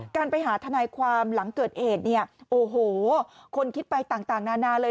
การไปหาทนายความหลังเกิดเหตุเนี่ยโอ้โหคนคิดไปต่างนานาเลย